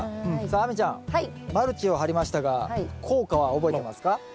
さあ亜美ちゃんマルチを張りましたが効果は覚えてますか？